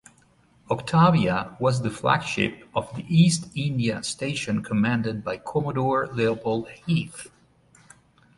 "Octavia" was the flagship of the East India Station commanded by Commodore Leopold Heath.